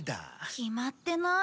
決まってない。